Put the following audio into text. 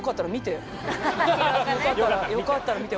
よかったら見て。